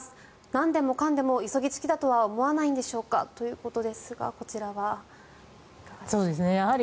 なんでもかんでも急ぎすぎだとは思わないんでしょうかということですがこちらについては。